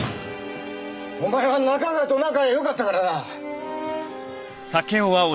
お前は仲川と仲がよかったからな！